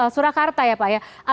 surakarta ya pak ya